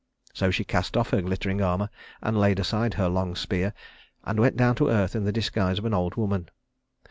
So she cast off her glittering armor and laid aside her long spear, and went down to earth in the disguise of an old woman.